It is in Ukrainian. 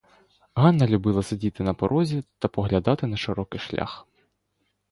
Ганна любила сидіти на порозі та поглядати на широкий шлях.